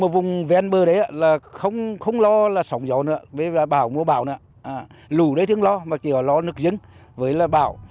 vùng ven bờ đấy là không lo là sóng gió nữa bảo mua bảo nữa lủ đấy thường lo mà kiểu lo nước dứng với là bảo